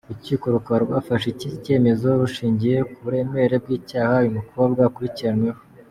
Urukiko rukaba rwafashe iki cyemezo rushingiye ku buremere bw’icyaha uyu mukobwa akurikiranyweho.